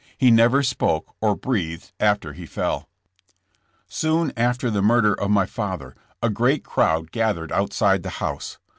He never spoke or breathed after he fell. Soon after the murder of my father a great crowd gathered outside the house.